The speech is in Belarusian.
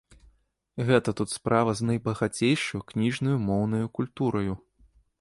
І гэта тут справа з найбагацейшаю кніжнаю моўнаю культураю.